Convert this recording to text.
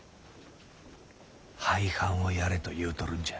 廃藩をやれと言うとるんじゃ。